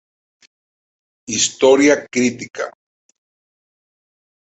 Historia Crítica.